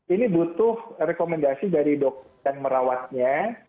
ini butuh rekomendasi dari dokter dan merawatnya